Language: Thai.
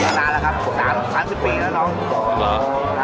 อะไรแล้วครับ๓๐ปีแล้วนะ